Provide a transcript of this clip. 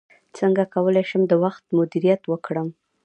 څنګه کولی شم د وخت مدیریت وکړم